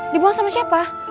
dibuang sama siapa